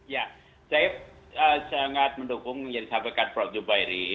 ya saya sangat mendukung yang disampaikan prof zubairi